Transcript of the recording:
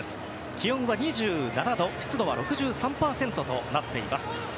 気温は２７度湿度は６３％となっています。